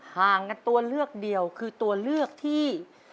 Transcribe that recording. ห่างกันตัวเลือกเดียวคือตัวเลือกที่